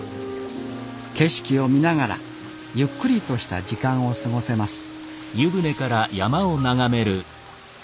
景色を見ながらゆっくりとした時間を過ごせます